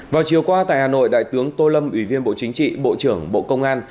vào chiều qua tại hà nội đại tướng tô lâm ủy viên bộ chính trị bộ trưởng bộ công an